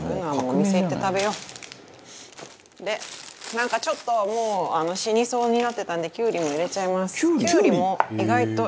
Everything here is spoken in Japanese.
なんかちょっともう死にそうになってたのできゅうりも入れちゃいます。